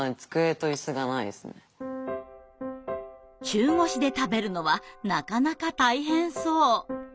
中腰で食べるのはなかなか大変そう。